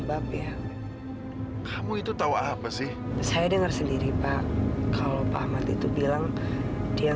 sampai jumpa di video selanjutnya